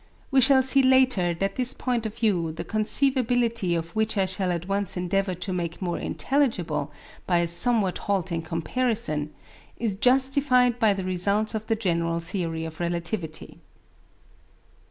We shall see later that this point of view, the conceivability of which I shall at once endeavour to make more intelligible by a somewhat halting comparison, is justified by the results of the general theory of relativity.